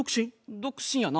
独身やな。